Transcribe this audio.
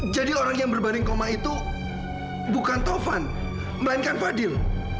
jadi orang yang berbanding koma itu bukan taufan melainkan fadil